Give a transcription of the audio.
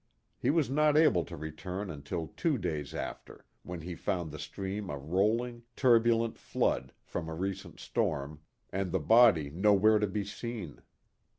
He was not able to return until two days after, when he found the stream a rolling, turbulent flood, from a recent storm, and the body nowhere to be seen.